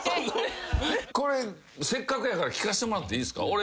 これせっかくやから聞かせてもらっていいっすか？